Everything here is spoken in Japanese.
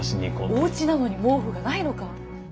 おうちなのに毛布がないのか！